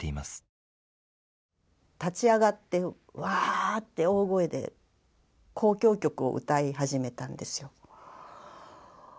立ち上がってワーッて大声で交響曲を歌い始めたんですよ。